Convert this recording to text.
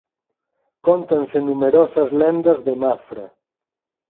Cóntanse numerosas lendas de Mafra.